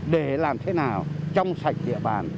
để làm thế nào trong sạch địa bàn